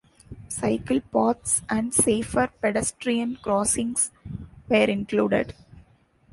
Cycle paths and safer pedestrian crossings were included.